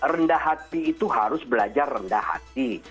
rendah hati itu harus belajar rendah hati